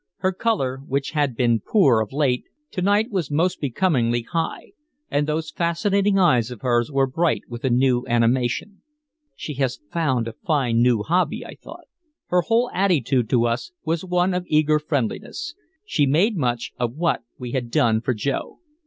Her color, which had been poor of late, to night was most becomingly high, and those fascinating eyes of hers were bright with a new animation. "She has found a fine new hobby," I thought. Her whole attitude to us was one of eager friendliness. She made much of what we had done for Joe.